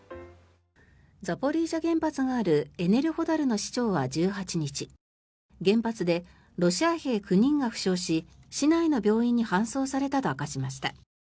ザポリージャ原発があるエネルホダルの市長は１８日原発でロシア兵９人が負傷し市内の病院に搬送されたと明かしました。